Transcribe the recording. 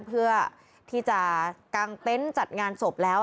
เพื่อที่จะกางเต็นต์จัดงานศพแล้ว